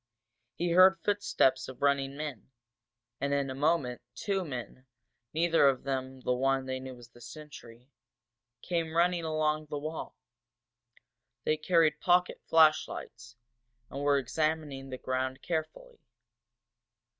He heard footsteps of running men, and in a moment two men, neither of them the one they knew as the sentry, came running along the wall. They carried pocket flashlights, and were examining the ground carefully.